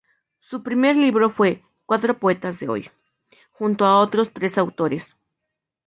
Su primer libro fue "Cuatro poetas de hoy", junto a otros tres autores.